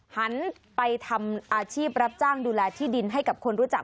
หันไปทำอาชีพรับจ้างดูแลที่ดินให้กับคนรู้จัก